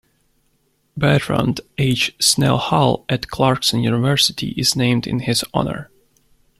Bertrand H. Snell Hall at Clarkson University is named in his honor.